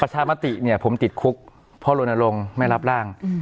ประชามติเนี่ยผมติดคุกเพราะโรนลงไม่รับร่าง